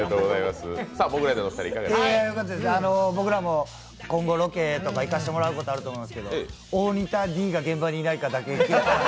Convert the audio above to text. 僕らも今後ロケとか行かせてもらうことあると思いますけど大仁田Ｄが現場にいないかだけ。